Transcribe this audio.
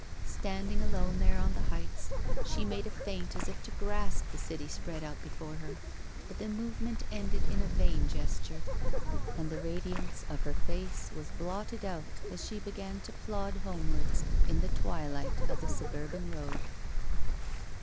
Standing alone there on the heights, she made a feint as if to grasp the city spread out before her, but the movement ended in a vain gesture, and the radiance of her face was blotted out as she began to plod home ward in the twilight of the suburban road.